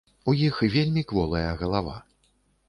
У іх вельмі кволая галава.